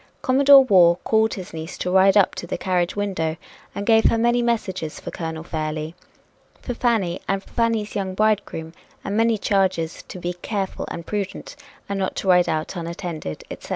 Commodore Waugh called his niece to ride up to the carriage window and gave her many messages for Colonel Fairlie, for Fanny and for Fanny's young bridegroom, and many charges to be careful and prudent, and not to ride out unattended, etc.